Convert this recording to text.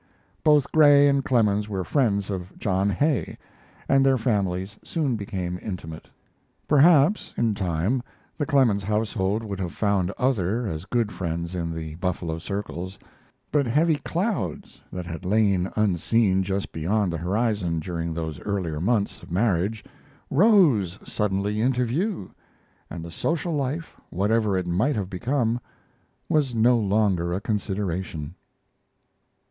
Both Gray and Clemens were friends of John Hay, and their families soon became intimate. Perhaps, in time, the Clemens household would have found other as good friends in the Buffalo circles; but heavy clouds that had lain unseen just beyond the horizon during those earlier months of marriage rose suddenly into view, and the social life, whatever it might have become, was no longer a consideration.